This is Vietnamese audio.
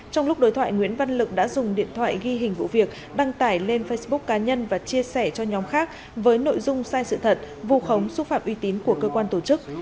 trong lúc đối thoại nguyễn văn lực đã dùng điện thoại ghi hình vụ việc đăng tải lên facebook cá nhân và chia sẻ cho nhóm khác với nội dung sai sự thật vụ khống xúc phạm uy tín của cơ quan tổ chức